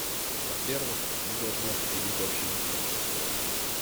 Во-первых, мы должны определить общие интересы.